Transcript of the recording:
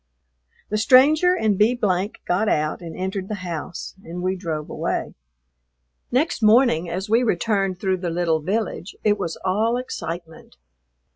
The stranger and B got out and entered the house, and we drove away. Next morning, as we returned through the little village, it was all excitement.